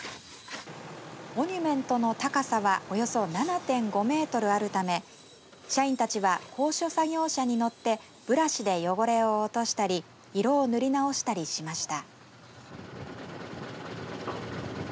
モニュメントの高さはおよそ７．５メートルあるため社員たちは高所作業車に乗ってブラシで汚れを落としたり色を塗り直したりしました。